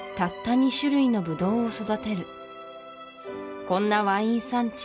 ２種類のブドウを育てるこんなワイン産地